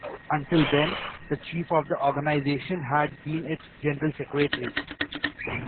Until then, the chief of the organization had been its general secretary.